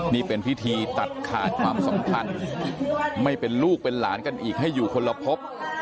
นี่เป็นพิธีตัดขาดความสำคัญไม่เป็นลูกเป็นหลานกันอีกให้อยู่คนละพบ